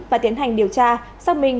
và tiến hành điều tra xác minh